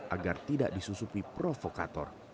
agar tidak disusupi provokator